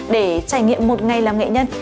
để trải nghiệm một ngày làm nghệ nhân